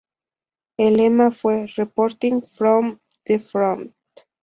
El lema fue "Reporting from the Front.